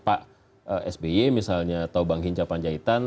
pak sby misalnya atau bang hinca panjaitan